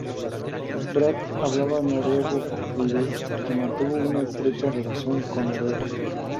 Brandt hablaba noruego con fluidez, y mantuvo una estrecha relación con Noruega.